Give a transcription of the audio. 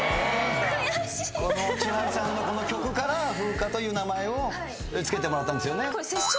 千春さんのこの曲から風花という名前を付けてもらったんですよね。